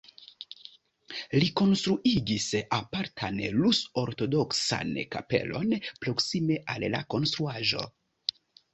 Li konstruigis apartan rus-ortodoksan kapelon proksime al la konstruaĵo.